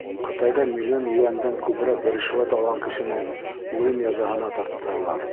Ҡытайҙа миллион юандән күберәк ришүәт алған кешене үлем язаһына тарттыралар.